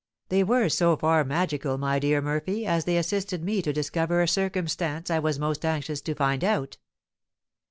"They were so far magical, my dear Murphy, as they assisted me to discover a circumstance I was most anxious to find out."